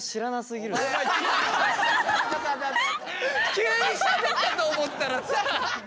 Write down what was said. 急にしゃべったと思ったらさ。